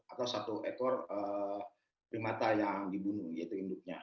atau satu ekor primata yang dibunuh yaitu induknya